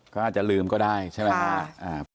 เขาอาจจะลืมก็ได้ใช่ไหมครับ